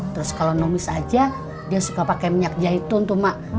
terus kalau numis aja dia suka pakai minyak jahitun tuh mak